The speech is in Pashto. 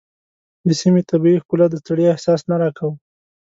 د سیمې طبیعي ښکلا د ستړیا احساس نه راکاوه.